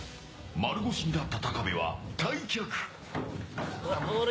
丸腰になった高部は退却。